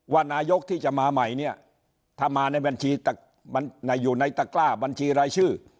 ว่านายกที่จะมาใหม่เนี่ยถ้ามาในบัญชีอยู่ในตะกล้าบัญชีรายชื่อ